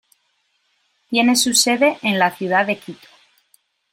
Tiene su sede en la ciudad de Quito.